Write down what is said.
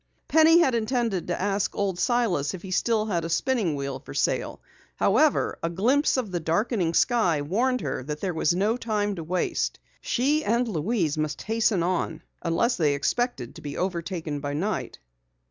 Penny had intended to ask Old Silas if he still had a spinning wheel for sale. However, a glimpse of the darkening sky warned her there was no time to waste. She and Louise must hasten on unless they expected to be overtaken by night.